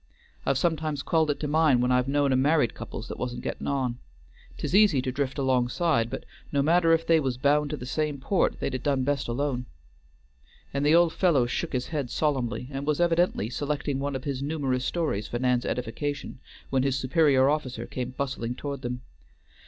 I've sometimes called it to mind when I've known o' married couples that wasn't getting on. 'T is easy to drift alongside, but no matter if they was bound to the same port they'd 'a' done best alone;" and the old fellow shook his head solemnly, and was evidently selecting one of his numerous stories for Nan's edification, when his superior officer came bustling toward them.